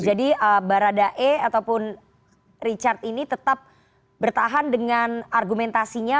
baradae ataupun richard ini tetap bertahan dengan argumentasinya